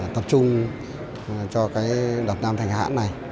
tập trung cho đọc nam thành hãn này